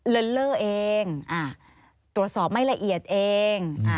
เลินเล่อเองตรวจสอบไม่ละเอียดเอง